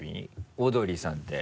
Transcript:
「オードリーさん」って。